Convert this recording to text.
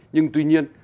nhưng tuy nhiên